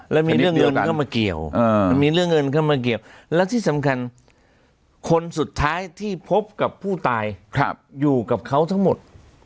แล้วมีเรื่องเงินเข้ามาเกี่ยวแล้วที่สำคัญคนสุดท้ายที่พบกับผู้ตายอยู่กับเขาทั้งหมด